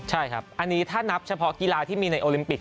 ใช่ครับอันนี้ถ้านับเฉพาะกีฬาที่มีในโอลิมปิก